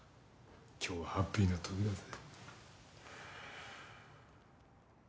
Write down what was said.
今日はハッピーな時だぜ。